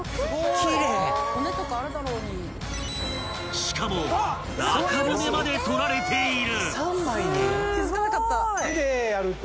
［しかも中骨まで取られている］